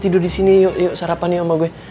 tidur disini yuk yuk sarapan yuk sama gue